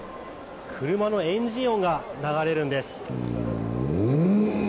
車のエンジン音が流れるんです。